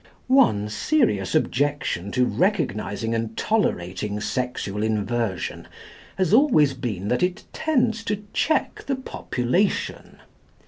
One serious objection to recognising and tolerating sexual inversion has always been that it tends to check the population.